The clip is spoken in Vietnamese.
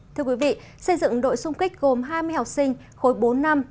thưa quý vị xây dựng đội sung kích gồm hai mươi học sinh khối bốn năm